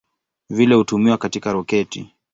Vile hutumiwa katika roketi.